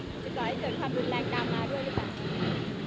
จะก่อให้เกิดความรุนแรงตามมาด้วยหรือเปล่า